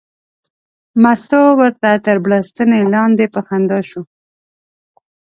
مستو ورته تر بړستنې لاندې په خندا شوه.